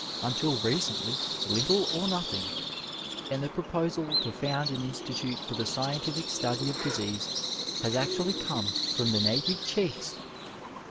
Until recently little or nothing, and the proposal to found an institute for the scientific study of disease has actually come from the native chiefe